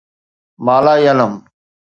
مالايالم